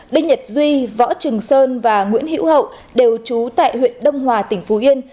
đinh nhật duy võ trường sơn và nguyễn hữu hậu đều trú tại huyện đông hòa tỉnh phú yên